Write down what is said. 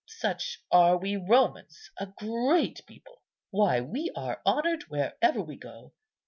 Such are we Romans, a great people. Why, we are honoured wherever we go.